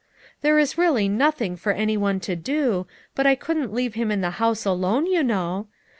There is really nothing for any one to do, but I couldn't leave him in the house alone, you know.